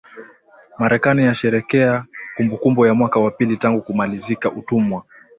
Marekani yasherehekea kumbukumbu ya mwaka wa pili tangu kumalizika utumwa